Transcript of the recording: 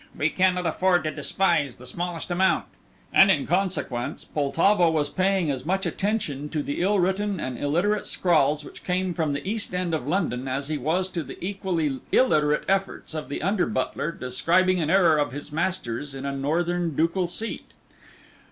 We cannot afford to despise the smallest amount," and in consequence Poltavo was paying as much attention to the ill written and illiterate scrawls which came from the East End of London, as he was to the equally illiterate efforts of the under butler, describing an error of his master's in a northern ducal seat.